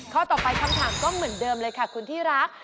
ข้อต่อไปคำถามก็เหมือนเดิมเลยค่ะคุณที่รัก